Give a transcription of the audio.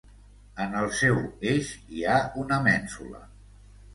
En el seu eix, hi ha una mènsula.